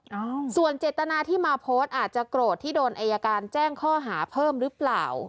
เอ้าส่วนเจตนาที่มาโพสต์อาจจะโกรธที่โดนอายการแจ้งข้อหาเพิ่มหรือเปล่า